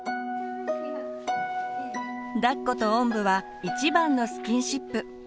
だっことおんぶは一番のスキンシップ。